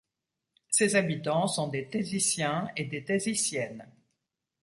Ses habitants sont des Taizyssiens et Taizyssiennes.